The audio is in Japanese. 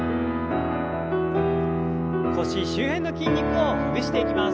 腰周辺の筋肉をほぐしていきます。